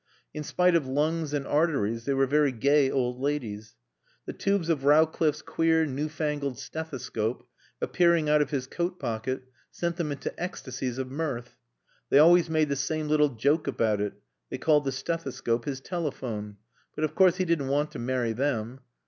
In spite of lungs and arteries they were very gay old ladies. The tubes of Rowcliffe's queer, new fangled stethescope, appearing out of his coat pocket, sent them into ecstacies of mirth. They always made the same little joke about it; they called the stethescope his telephone. But of course he didn't want to marry them.